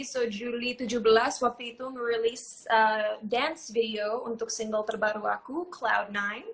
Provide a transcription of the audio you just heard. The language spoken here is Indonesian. so juli tujuh belas waktu itu merilis dance video untuk single terbaru aku claf sembilan